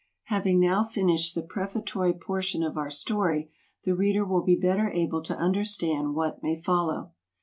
Having now finished the prefatory portion of our story, the reader will be better able to understand what may follow.